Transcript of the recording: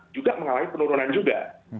juga mengalami penurunan juga